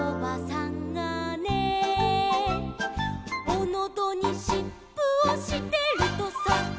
「おのどにしっぷをしてるとさ」